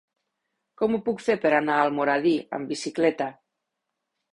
Com ho puc fer per anar a Almoradí amb bicicleta?